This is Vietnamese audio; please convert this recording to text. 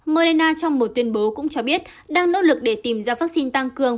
mona trong một tuyên bố cũng cho biết đang nỗ lực để tìm ra vaccine tăng cường